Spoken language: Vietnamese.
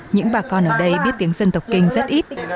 những bà con ở đây biết tiếng dân tộc kinh rất ít